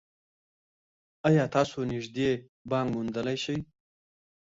ایا تاسو نږدې بانک موندلی شئ؟